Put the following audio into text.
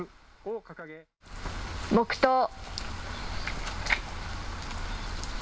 黙とう。